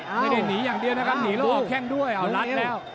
ไม่ได้หนีอย่างเดียวนะครับหนีแล้วออกแข้งด้วยเอารัดแล้ว